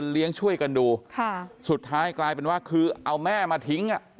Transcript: เลี้ยงช่วยกันดูสุดท้ายกลายเป็นว่าคือเอาแม่มาทิ้ง